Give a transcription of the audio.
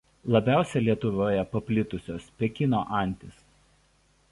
Labiausiai Lietuvoje paplitusios Pekino antys.